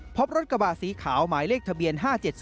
พบรถกระบะสีขาวหมายเลขทะเบียน๕๗๒